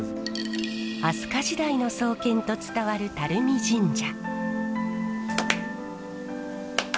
飛鳥時代の創建と伝わる垂水神社。